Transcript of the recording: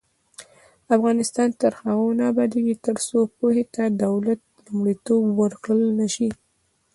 افغانستان تر هغو نه ابادیږي، ترڅو پوهې ته د دولت لومړیتوب ورکړل نشي.